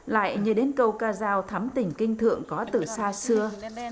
lại nhớ đến câu ca giao thắm tỉnh kinh thượng có từ xa xưa